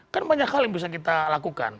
kan banyak hal yang bisa kita lakukan